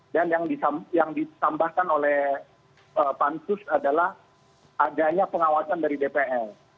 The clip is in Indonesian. dan yang ditambahkan oleh pancus adalah adanya pengawasan dari dpr